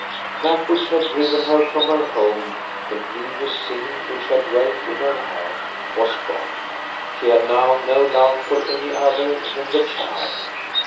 That which had driven her from her home, the grievous sin which had dwelt in her heart, was gone. She had now no love for any other than the child.